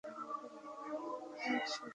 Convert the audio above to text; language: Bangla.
কার সাথে থাকব?